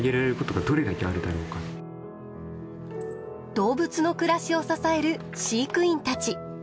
動物の暮らしを支える飼育員たち。